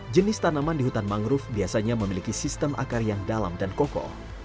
jenis tanaman di hutan mangrove biasanya memiliki sistem akar yang dalam dan kokoh